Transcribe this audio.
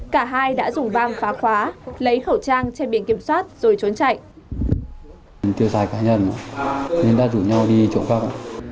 cả hai đã dùng vang phá khóa lấy khẩu trang trên biển kiểm soát rồi trốn chạy